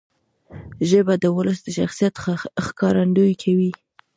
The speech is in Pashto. ژبه د ولس د شخصیت ښکارندویي کوي.